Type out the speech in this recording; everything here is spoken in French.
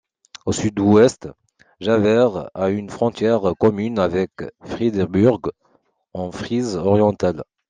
Au sud-ouest, Jever a une frontière commune avec Friedeburg, en Frise-Orientale.